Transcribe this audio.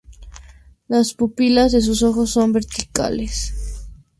Las pupilas de sus ojos son verticales.